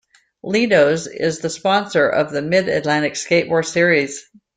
Ledo's is the sponsor of the Mid-Atlantic Skateboard Series.